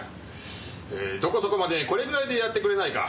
どこそこまでこれぐらいでやってくれないか。